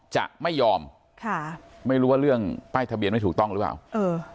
จะไม่ยอมค่ะไม่รู้ว่าเรื่องป้ายทะเบียนไม่ถูกต้องหรือเปล่าเออ